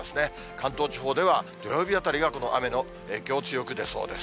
関東地方では土曜日あたりが、この雨の影響強く出そうです。